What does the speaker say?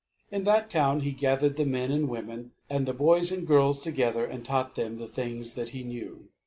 In that town he gathered the men and women and the boys and girls together and taught them the things that he knew.